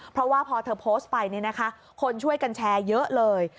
เพราะว่าพอเธอโพสต์ไปคนช่วยกันแชร์เยอะเลย